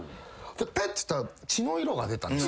ぺっつったら血の色が出たんです。